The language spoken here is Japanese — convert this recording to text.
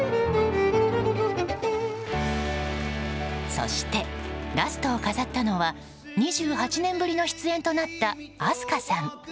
そして、ラストを飾ったのは２８年ぶりの出演となったＡＳＫＡさん。